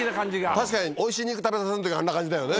確かにおいしい肉食べさせる時あんな感じだよね。